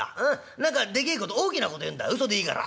何かでけえこと大きなこと言うんだうそでいいから」。